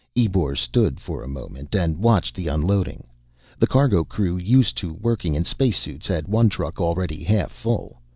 Ebor stood for a moment and watched the unloading. The cargo crew, used to working in spacesuits, had one truck already half full.